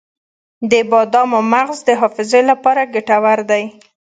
د بادامو مغز د حافظې لپاره ګټور دی.